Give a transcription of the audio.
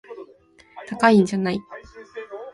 高いんじゃない